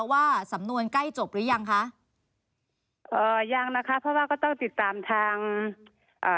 ว่าสำนวนใกล้จบหรือยังคะเอ่อยังนะคะเพราะว่าก็ต้องติดตามทางอ่า